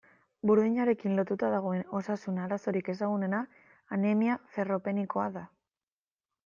Burdinarekin lotuta dagoen osasun arazorik ezagunena anemia ferropenikoa da.